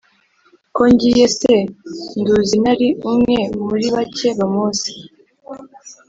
Ko ngiye se nduzi Nari umwe muri bake Bamuzi